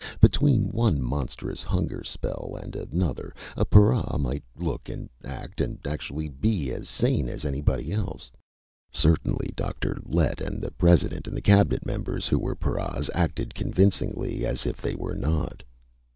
Between one monstrous hunger spell and another, a para might look and act and actually be as sane as anybody else. Certainly Dr. Lett and the President and the Cabinet members who were paras acted convincingly as if they were not.